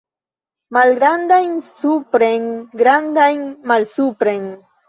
Malgrandajn supren, grandajn malsupren.